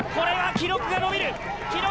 記録が伸びる！